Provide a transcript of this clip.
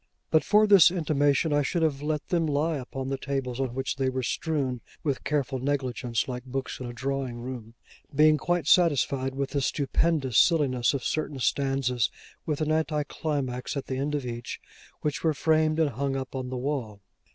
But for this intimation, I should have let them lie upon the tables on which they were strewn with careful negligence, like books in a drawing room: being quite satisfied with the stupendous silliness of certain stanzas with an anti climax at the end of each, which were framed and hung up on the wall.